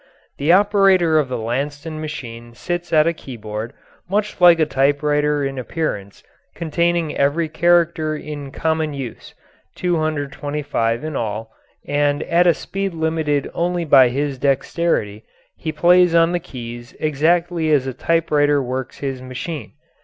The operator of the Lanston machine sits at a keyboard, much like a typewriter in appearance, containing every character in common use (225 in all), and at a speed limited only by his dexterity he plays on the keys exactly as a typewriter works his machine.